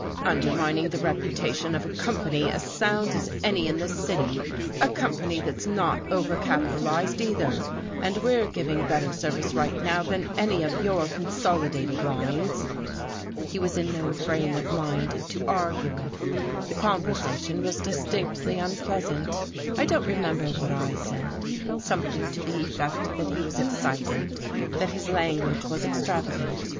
"Undermining the reputation of a company as sound as any in this city, a company that's not overcapitalized, either. And we're giving better service right now than any of your consolidated lines."... He was in no frame of mind to argue with; the conversation was distinctly unpleasant. I don't remember what I said something to the effect that he was excited, that his language was extravagant.